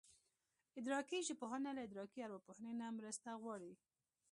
ادراکي ژبپوهنه له ادراکي ارواپوهنې نه مرسته غواړي